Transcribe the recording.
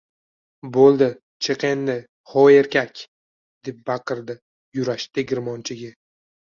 Boʻldi, chiq endi, hov, erkak! – deb baqirdi Yurash tegirmonchiga.